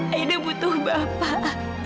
aida butuh bapak